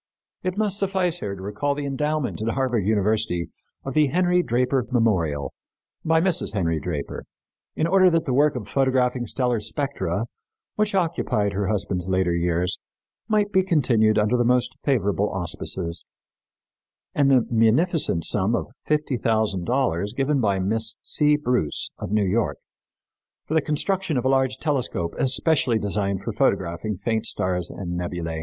It must suffice here to recall the endowment at Harvard University of the Henry Draper Memorial, by Mrs. Henry Draper, in order that the work of photographing stellar spectra, which occupied her husband's later years, might be continued under the most favorable auspices, and the munificent sum of fifty thousand dollars given by Miss C. Bruce, of New York, for the construction of a large telescope especially designed for photographing faint stars and nebulæ.